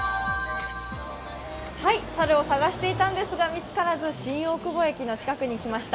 猿を探していたんですが、見つからず新大久保駅の近くに来ました。